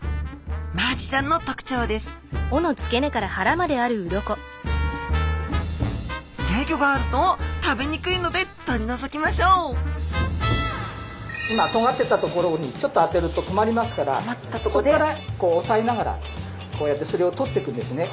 マアジちゃんの特徴ですぜいギョがあると食べにくいので取りのぞきましょう今とがってたところにちょっとあてると止まりますからそっからおさえながらこうやってそれをとってくんですね。